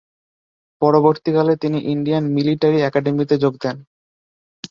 পরবর্তীকালে তিনি Indian military একাডেমিতে যোগ দেন।